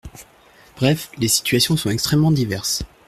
Bref, les situations sont extrêmement diverses.